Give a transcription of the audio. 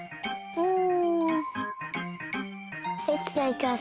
うん。